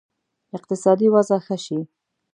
اقتصادي وضع ښه شي.